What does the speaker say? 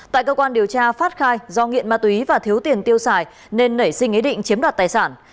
tại cơ quan điều tra phát khai do nghiện ma túy và thiếu tiền tiêu xài nên nảy sinh ý định chiếm đoạt tài sản